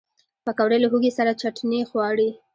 پکورې له هوږې سره چټني غواړي